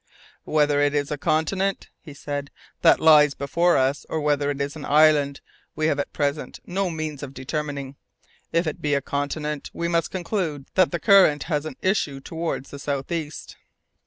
"Whether it is a continent," said he, "that lies before us, or whether it is an island, we have at present no means of determining. If it be a continent, we must conclude that the current has an issue towards the south east."